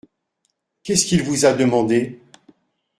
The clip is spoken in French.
Qu’est-ce qu’il vous a demandé ?